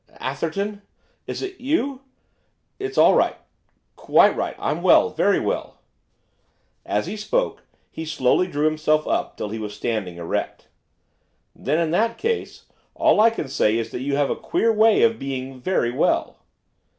'Atherton? Is it you? It's all right, quite right. I'm well, very well.' As he spoke, he slowly drew himself up, till he was standing erect. 'Then, in that case, all I can say is that you have a queer way of being very well.